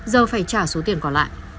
giờ phải trả số tiền còn lại